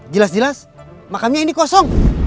jelas jelas makamnya ini kosong